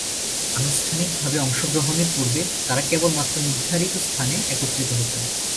আনুষ্ঠানিকভাবে অংশগ্রহণের পূর্বে তারা কেবলমাত্র নির্ধারিত স্থানে একত্রিত হতেন।